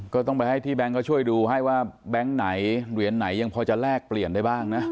ก็ต้องไปให้ที่แบงซ์ก็ช่วยดูให้แบงซ์ไหนเป็นเหรียญแบบยังพอแลกเปลี่ยนได้บ้าง